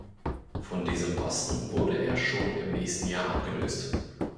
Von diesem Posten wurde er schon im nächsten Jahr abgelöst.